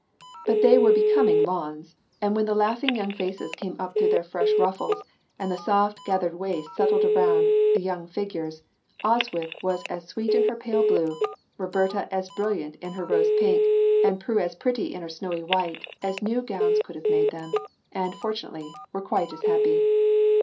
But they were becoming lawns, and when the laughing young faces came up through their fresh ruffles, and the soft, gathered waists settled around the young figures, Oswyth was as sweet in her pale blue, Roberta as brilliant in her rose pink, and Prue as pretty in her snowy white as new gowns could have made them and, fortunately, were quite as happy.